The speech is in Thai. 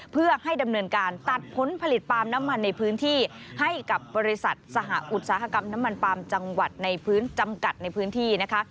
เพื่อให้ดำเนินการตัดผลผลิตปาล์มน้ำมันในพื้นที่ให้กับบริษัทสหอุตสาหกรรมน้ำมันปาล์มจังหวัดในพื้นจำกัดในพื้นที่นะคะ